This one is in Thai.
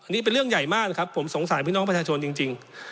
นี่เป็นเรื่องใหญ่มากนะครับผมสงสารพี่น้องประชาชนจริง